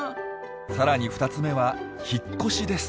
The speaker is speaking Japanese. さらに２つ目は「引っ越し」です。